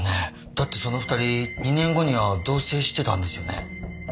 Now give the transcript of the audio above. だってその２人２年後には同棲してたんですよね。